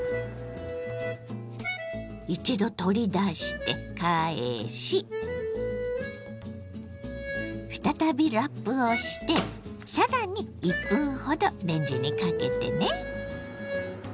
一度取り出して返し再びラップをして更に１分ほどレンジにかけてね。